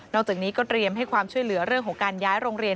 จากนี้ก็เตรียมให้ความช่วยเหลือเรื่องของการย้ายโรงเรียน